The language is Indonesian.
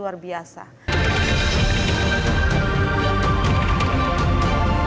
saya bisa merasakan sendiri manfaatnya